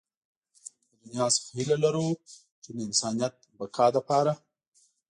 له دنيا څخه هيله لرو چې د انسانيت بقا لپاره.